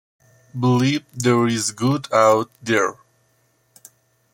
Believe there is good out there.